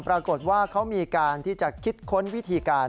ปรากฏว่าเขามีการที่จะคิดค้นวิธีการ